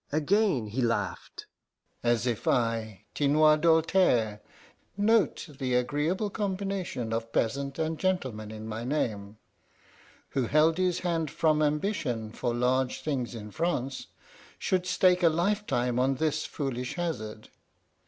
Again he laughed. "As if I, Tinoir Doltaire note the agreeable combination of peasant and gentleman in my name who held his hand from ambition for large things in France, should stake a lifetime on this foolish hazard!